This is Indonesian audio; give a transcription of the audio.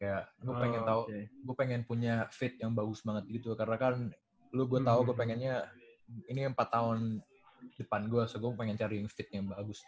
kayak gua pengen tau gua pengen punya fit yang bagus banget gitu karena kan lu gua tau gua pengennya ini empat tahun depan gua so gua pengen cari fit yang bagus gitu